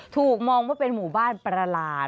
ถูกมองว่าเป็นหมู่บ้านประหลาด